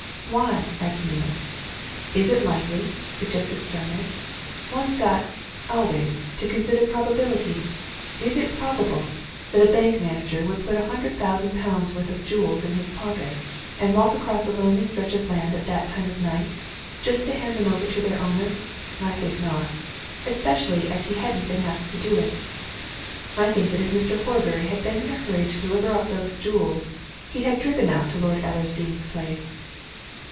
"Why?" asked Neale. "Is it likely?" suggested Starmidge. "One's got always to consider probability. Is it probable that a bank manager would put a hundred thousand pounds' worth of jewels in his pocket, and walk across a lonely stretch of land at that time of night, just to hand them over to their owner? I think not especially as he hadn't been asked to do so. I think that if Mr. Horbury had been in a hurry to deliver up these jewels, he'd have driven out to Lord Ellersdeane's place."